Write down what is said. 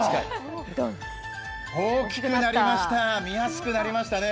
大きくなりました、見やすくなりましたね。